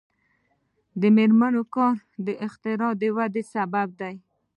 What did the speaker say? د میرمنو کار د اختراع ودې سبب دی.